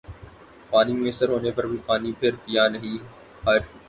پانی میسر ہونے پر بھی پانی پھر پیا نہیں ہر